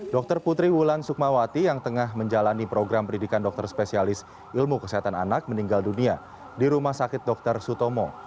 dr putri wulan sukmawati yang tengah menjalani program pendidikan dokter spesialis ilmu kesehatan anak meninggal dunia di rumah sakit dr sutomo